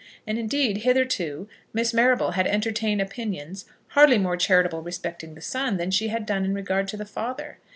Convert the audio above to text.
And indeed, hitherto, Miss Marrable had entertained opinions hardly more charitable respecting the son than she had done in regard to the father.